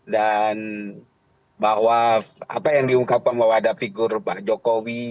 dan bahwa apa yang diungkapkan bahwa ada figur pak jokowi